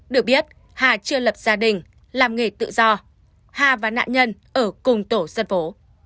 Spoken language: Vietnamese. được biết hà chưa lập gia đình làm nghề tự do hà và nạn nhân ở cùng tổ dân phố